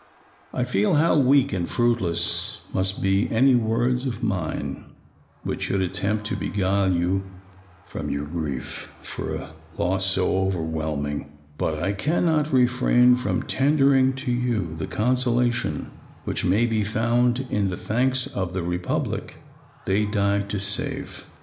I feel how weak and fruitless must be any words of mine which should attempt to beguile you from your grief for a loss so overwhelming, but I cannot refrain from tendering to you the consolation which may be found in the thanks of the Republic they died to save.